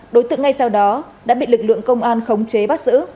đối tượng ngay sau đó đã bị lực lượng công an khống chế bắt giữ